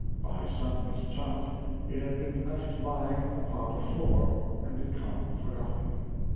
By some mischance it had been left lying on the parlor floor, and become forgotten.